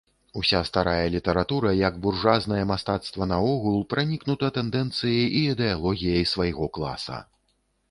Уся старая літаратура, як буржуазнае мастацтва наогул, пранікнута тэндэнцыяй і ідэалогіяй свайго класа.